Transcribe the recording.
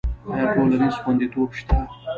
آیا ټولنیز خوندیتوب شته؟